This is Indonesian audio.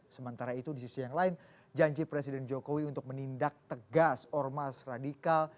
sementara itu di sisi yang lain janji presiden jokowi untuk menindak tegas ormas radikal